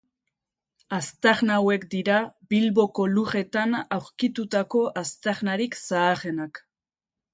Aztarna hauek dira Bilboko lurretan aurkitutako aztarnarik zaharrenak.